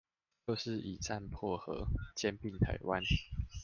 就是以戰迫和，兼併台灣